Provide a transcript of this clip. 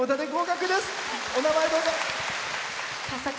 お名前、どうぞ。